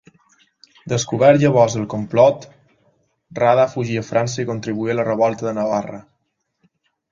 Descobert llavors el complot, Rada fugí a França i contribuí a la revolta de Navarra.